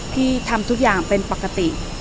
พี่ทำทุกอย่างเป็นปกติ